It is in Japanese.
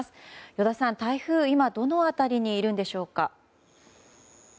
依田さん、台風は今どの辺りにいるんでしょうか。